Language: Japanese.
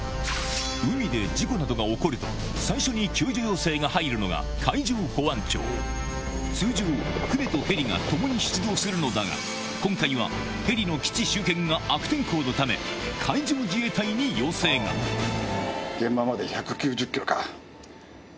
海で事故などが起こると最初に救助要請が入るのが海上保安庁通常船とヘリが共に出動するのだが今回はヘリの基地周辺が悪天候のため海上自衛隊に要請がはい！